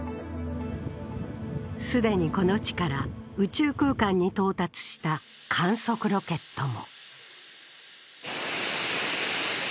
既にこの地から宇宙空間に到達した観測ロケットも。